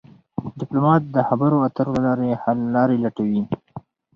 ډيپلومات د خبرو اترو له لارې حل لارې لټوي.